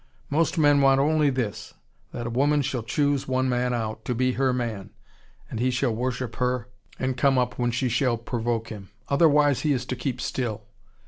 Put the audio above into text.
Most men want only this: that a woman shall choose one man out, to be her man, and he shall worship her and come up when she shall provoke him. Otherwise he is to keep still.